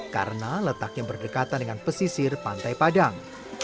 karena letaknya berdekatan dengan pesisir pantai padang